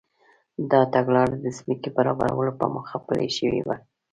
دا تګلاره د ځمکې برابرولو په موخه پلي شوې وه.